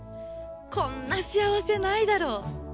こんな幸せないだろ！